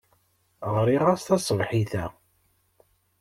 Ɣriɣ-as taṣebḥit-a.